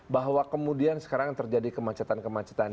bahwa kemudian sekarang terjadi kemacetan kemacetan